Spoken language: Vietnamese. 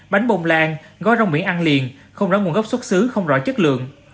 bánh bồng lan gói rong miệng ăn liền không rõ nguồn gốc xuất xứ không rõ chất lượng